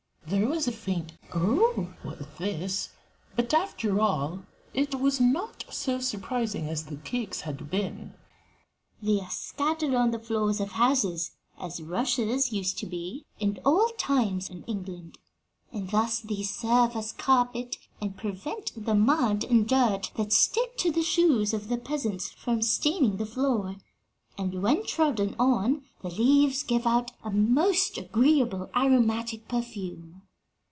There was a faint "Oh!" at this, but, after all, it was not so surprising as the cakes had been. "They are scattered on the floors of houses as rushes used to be in old times in England, and thus they serve as carpet and prevent the mud and dirt that stick to the shoes of the peasants from staining the floor; and when trodden on, the leaves give out a most agreeable aromatic perfume."